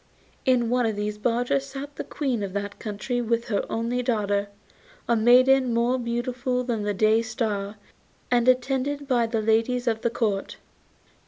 In one of these barges sat the Queen of that country with her only daughter, a maiden more beautiful than the Day Star, and attended by the ladies of the Court.